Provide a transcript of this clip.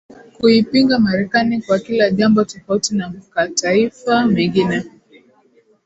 Kuipinga Marekani kwa kila jambo tofauti na mkataifa mengine